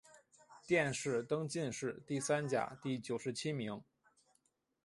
殿试登进士第三甲第九十七名。